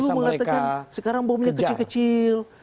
ketika orang dulu mengatakan sekarang bomnya kecil kecil